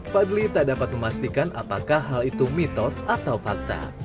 fadli tak dapat memastikan apakah hal itu mitos atau fakta